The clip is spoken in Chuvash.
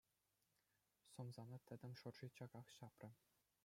Сӑмсана тӗтӗм шӑрши чаках ҫапрӗ.